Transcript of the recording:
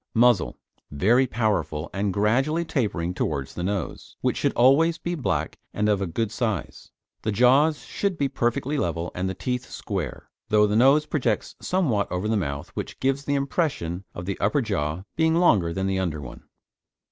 MUZZLE Very powerful, and gradually tapering towards the nose, which should always be black and of a good size. The jaws should be perfectly level, and the teeth square, though the nose projects somewhat over the mouth which gives the impression of the upper jaw being longer than the under one.